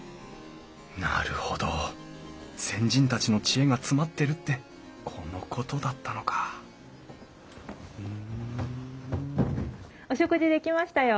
なるほど先人たちの知恵が詰まってるってこのことだったのかお食事出来ましたよ。